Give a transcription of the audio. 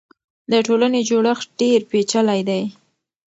د ټولنې جوړښت ډېر پېچلی دی.